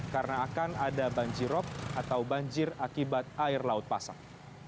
karena akan ada banjirop atau banjir akibat air laut pasang